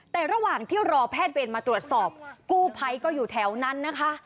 แต่ระหว่างที่รอแพทย์เวรมาตรวจสอบกู้ภัยก็อยู่แถวนั้นนะคะ